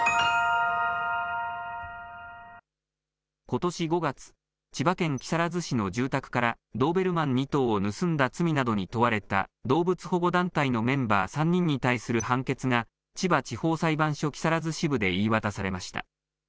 ことし５月、千葉県木更津市の住宅からドーベルマン２頭を盗んだ罪などに問われた動物保護団体のメンバー３人に対する判決が千葉地方裁判所木更津支部で言い渡されました。